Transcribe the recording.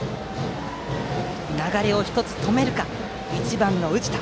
流れを１つ止めるか１番の宇治田。